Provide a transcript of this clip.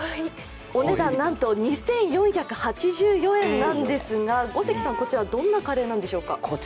お値段なんと２４８４円なんですが、五関さん、こちらどんなカレーなんでしょうか？